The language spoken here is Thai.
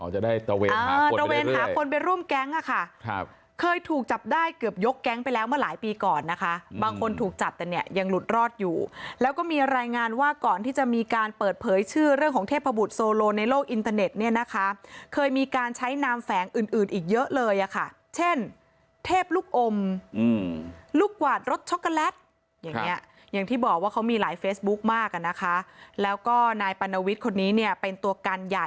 อ๋อจะได้ตระเวนหาคนไปร่วมแก๊งอ่ะค่ะเคยถูกจับได้เกือบยกแก๊งไปแล้วมาหลายปีก่อนนะคะบางคนถูกจัดแต่เนี้ยยังหลุดรอดอยู่แล้วก็มีรายงานว่าก่อนที่จะมีการเปิดเผยชื่อเรื่องของเทพบุตรโซโลในโลกอินเทอร์เน็ตเนี้ยนะคะเคยมีการใช้นามแฝงอื่นอื่นอีกเยอะเลยอ่ะค่ะเช่นเทพลูกอมอืมลูกหวาดรสช็อก